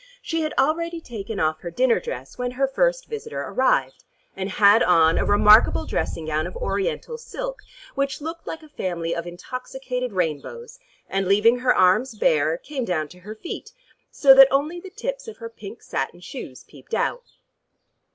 She had already taken off her dinner dress when her first visitor arrived, and had on a remarkable dressing gown of Oriental silk, which looked like a family of intoxicated rainbows and, leaving her arms bare, came down to her feet, so that only the tips of her pink satin shoes peeped out.